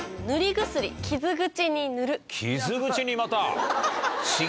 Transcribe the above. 傷口にまた！